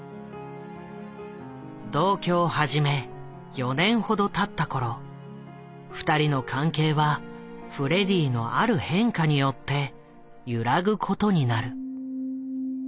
同居を始め４年ほどたったころ２人の関係はフレディのある変化によって揺らぐことになる。